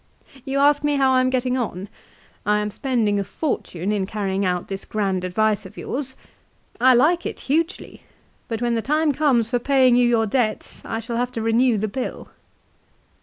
" You ask me how I am getting on. I am spending a fortune in carrying out this grand advice of yours. I like it hugely ; but when the time comes for paying you your debts I shall have to renew the bill."